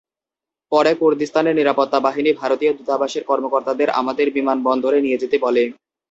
পরে কুর্দিস্থানের নিরাপত্তাবাহিনী ভারতীয় দূতাবাসের কর্মকর্তাদের আমাদের বিমানবন্দরে নিয়ে যেতে বলে।